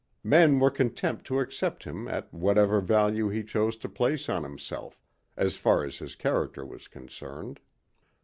Men were content to accept him at whatever value he chose to place on himself, as far as his character was concerned.